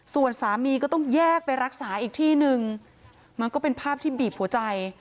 ส่วนสามีก็ต้องแยกไปรักษาอีกที่นึงมันก็เป็นภาพที่บีบหัวใจ